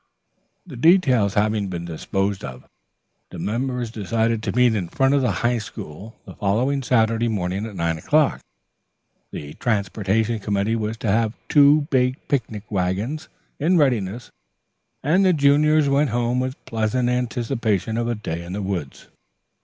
The details having been disposed of, the members decided to meet in front of the High School the following Saturday morning at nine o'clock. The transportation committee was to have two big picnic wagons in readiness and the juniors went home with pleasant anticipations of a day in the woods.